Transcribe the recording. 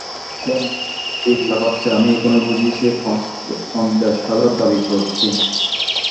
আমি বুঝলুম, বিমলা ভাবছে, আমি এখনই বুঝি সেই পঞ্চাশ হাজার দাবি করছি।